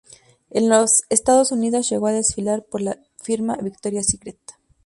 En los Estados Unidos, llegó a desfilar para la firma Victoria's Secret.